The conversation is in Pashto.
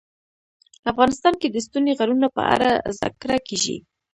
افغانستان کې د ستوني غرونه په اړه زده کړه کېږي.